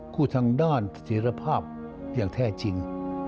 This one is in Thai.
คู่ทางด้านสถิรภาพอย่างแท้จริง